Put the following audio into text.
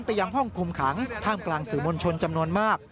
ยังห้องคุมขังท่ามกลางสื่อมวลชนจำนวนมาก